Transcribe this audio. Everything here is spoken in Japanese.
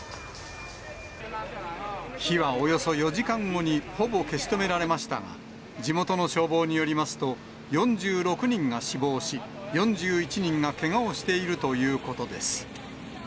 火はおよそ４時間後にほぼ消し止められましたが、地元の消防によりますと、４６人が死亡し、４１人がけがをしているということです。